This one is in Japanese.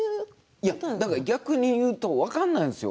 逆にいうと分からないんですよ。